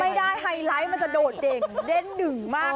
ไม่ได้ไฮไลท์มันจะโดดเหด่งเล่นหนึ่งมาก